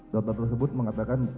dokter tersebut mengatakan